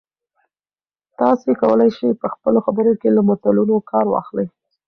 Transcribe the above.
تاسي کولای شئ په خپلو خبرو کې له متلونو کار واخلئ.